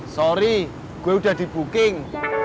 sorry gue udah di booking